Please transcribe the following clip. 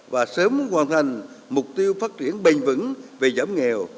và sớm hoàn thành mục tiêu phát triển bền vững về giảm nghèo